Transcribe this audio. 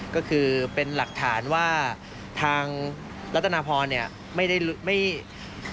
ก็คือเป็นหลักฐานว่าทางรัฐนาพรไม่ได้รู้